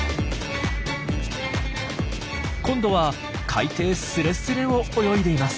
今度は海底スレスレを泳いでいます。